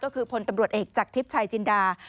ก็คือพลตำรวจเอกจากทิพย์ชายจินดา